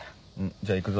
じゃあ行くぞ。